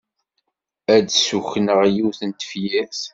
Ad d-ssukkneɣ yiwet n tefyirt.